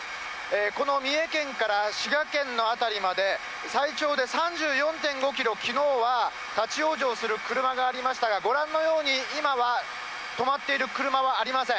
この三重県から滋賀県の辺りまで、最長で３４．５キロ、きのうは立往生する車がありましたが、ご覧のように、今は止まっている車はありません。